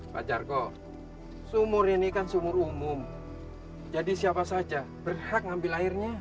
pak jargo sumur ini kan sumur umum jadi siapa saja berhak ambil airnya